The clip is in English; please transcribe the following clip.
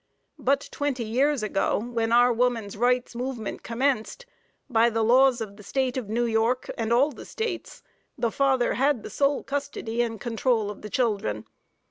But twenty years ago, when our woman's rights movement commenced, by the laws of the State of New York, and all the states, the father had the sole custody and control of the children.